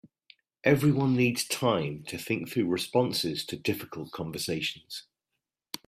Everyone needs time to think through responses to difficult conversations.